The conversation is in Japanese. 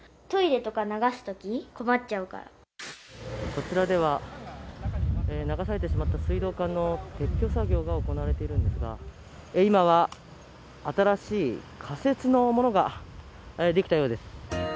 こちらでは流されてしまった水道管の撤去作業が行われているんですが、今は新しい仮設のものができたようです。